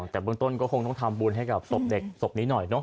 แต่เบื้องต้นก็คงต้องทำบุญให้กับศพเด็กศพนี้หน่อยเนอ